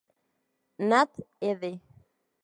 Nat., ed.